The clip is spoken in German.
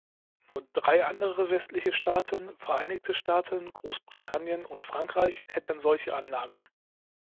Nur drei andere westliche Staaten, Vereinigte Staaten, Großbritannien und Frankreich, hätten solche Anlagen.